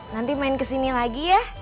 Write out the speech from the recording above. nanti main kesini lagi ya